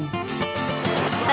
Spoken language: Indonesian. kita cukup berimovasi